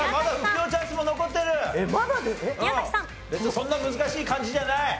そんな難しい漢字じゃない。